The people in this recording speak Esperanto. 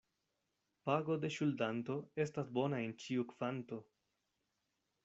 Pago de ŝuldanto estas bona en ĉiu kvanto.